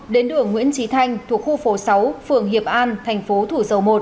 đến đường nguyễn trí thanh thuộc khu phố sáu phường hiệp an thành phố thủ dầu một